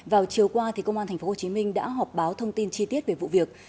vào chiều qua công an tp hcm đã họp báo thông tin chi tiết về vụ việc